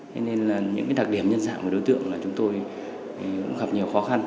thế nên là những đặc điểm nhân dạng của đối tượng là chúng tôi cũng gặp nhiều khó khăn